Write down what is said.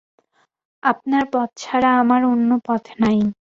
আপনার পথ ছাড়া আমার অন্য পথ নাই।